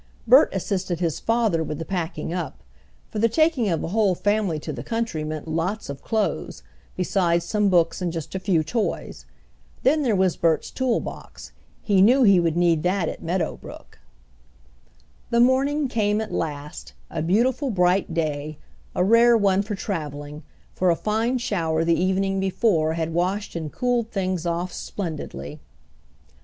Bert assisted his father with the packing up, for the taking of a whole family to the country meant lots of clothes, besides some books and just a few toys. Then there was Bert's tool box he knew he would need that at Meadow Brook. The morning came at last, a beautiful bright day, a rare one for traveling, for a fine shower the evening before had washed and cooled things off splendidly.